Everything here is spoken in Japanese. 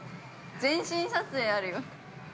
全身撮影、あるよ。